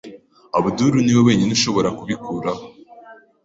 Abdul niwe wenyine ushobora kubikuraho.